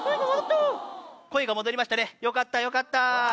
声が戻りましたねよかったよかった。